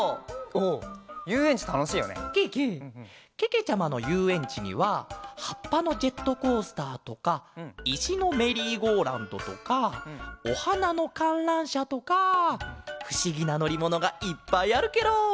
けけちゃまのゆうえんちにははっぱのジェットコースターとかいしのメリーゴーラウンドとかおはなのかんらんしゃとかふしぎなのりものがいっぱいあるケロ！